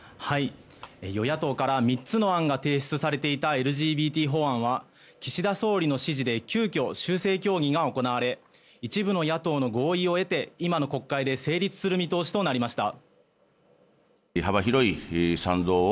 与野党から３つの案が提出されていたＬＧＢＴ法案は岸田総理の指示で急きょ、修正協議が行われ一部の野党の合意を得て今の国会で成立する見通しとなりました。